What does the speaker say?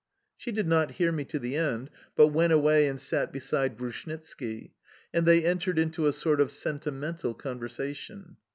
She did not hear me to the end, but went away and sat beside Grushnitski, and they entered into a sort of sentimental conversation.